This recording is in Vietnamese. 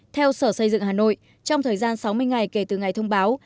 theo sở xây dựng hà nội trong thời gian sáu mươi ngày kể từ ngày thông báo